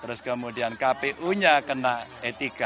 terus kemudian kpu itu juga kena problem etika